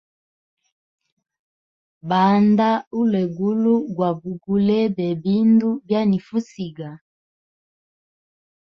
Banda ulwegulu gwa bugule bebindu byanifa usiga.